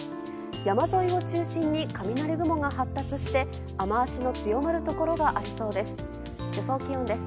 山沿いを中心に雷雲が発達して雨脚の強まるところがありそうです。